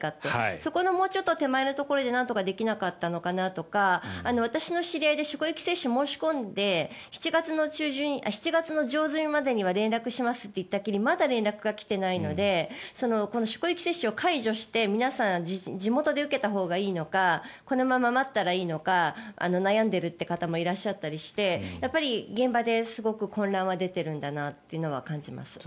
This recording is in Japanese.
そのちょっと手前のところでなんとかできなかったのかなとか私の知り合いで職域接種を申し込んで７月上旬までに連絡しますと言ったっきりまだ連絡が来ていないので職域接種を解除して皆さん地元で受けたほうがいいのかこのまま待ったらいいのか悩んでいる方もいらっしゃったりしてやっぱり現場ですごく混乱は出ているんだなと感じます。